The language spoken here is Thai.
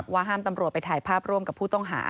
ว่าห้ามตำรวจไปถ่ายภาพร่วมกับผู้ต้องหา